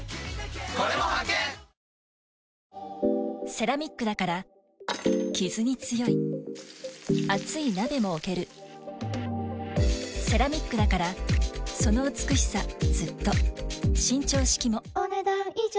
セラミックだからキズに強い熱い鍋も置けるセラミックだからその美しさずっと伸長式もお、ねだん以上。